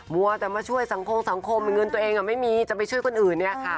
มั่วแต่มาช่วยสังคมเงินตัวเองไม่มีจะไปช่วยคนอื่นค่ะ